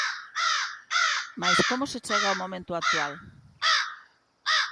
Mais como se chega ao momento actual?